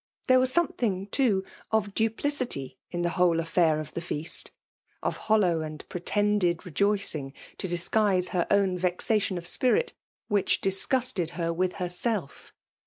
There ivas some thing, too, of duplicity in the whole affair of the feast — of hollow and pretended rcjoicingf to disguise her own vexation of spirit, which disgusted her with herself.